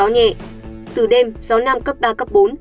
gió nam cấp ba cấp bốn